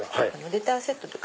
レターセットとか。